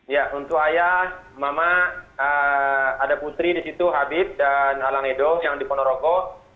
ya untuk ayah mama ada putri di situ habib dan alang edo yang di ponorogo